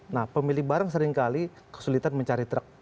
nah pemilih barang seringkali kesulitan mencari truk